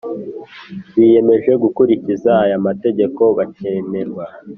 Biyemeje gukurikiza aya mategeko bakemerwa